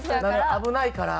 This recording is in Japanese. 危ないから。